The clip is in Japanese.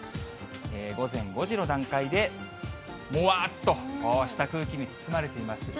午前５時の段階で、もわーっとした空気に包まれていますよね。